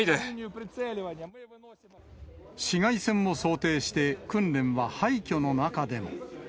市街戦も想定して、訓練は廃虚の中でも。